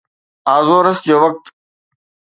Azores جو وقت